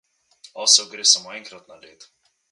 Osel gre samo enkrat na led.